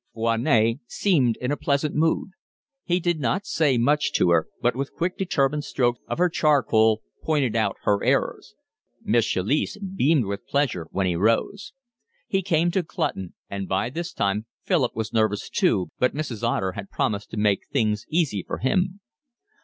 Foinet seemed in a pleasant mood; he did not say much to her, but with quick, determined strokes of her charcoal pointed out her errors. Miss Chalice beamed with pleasure when he rose. He came to Clutton, and by this time Philip was nervous too but Mrs. Otter had promised to make things easy for him.